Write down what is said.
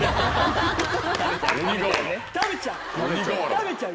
食べちゃう。